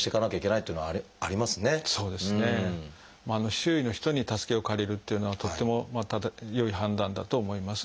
周囲の人に助けを借りるっていうのはとっても良い判断だと思います。